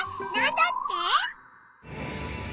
だって！